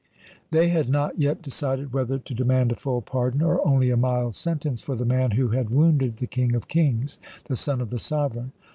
They had not yet decided whether to demand a full pardon or only a mild sentence for the man who had wounded the "King of kings," the son of the sovereign.